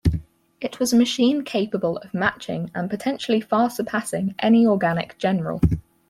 It was a machine capable of matching and potentially far surpassing any organic general.